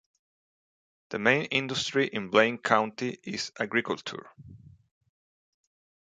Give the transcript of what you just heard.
The main industry in Blaine County is agriculture.